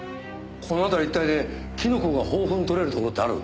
この辺り一帯でキノコが豊富に採れるところってある？